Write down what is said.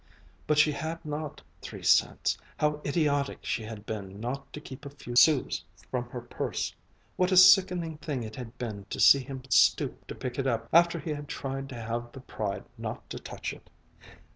But she had not three cents. How idiotic she had been not to keep a few sous from her purse. What a sickening thing it had been to see him stoop to pick it up after he had tried to have the pride not to touch it.